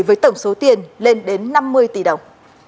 với tổng số tiền lên đến năm mươi tỷ đồng